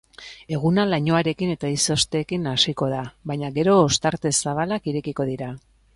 Eguna lainoarekin eta izozteekin hasiko da, baina gero ostarte zabalak irekiko dira.